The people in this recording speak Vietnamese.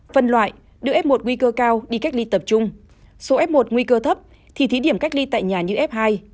phân loại đưa f một nguy cơ cao đi cách ly tập trung số f một nguy cơ thấp thì thí điểm cách ly tại nhà như f hai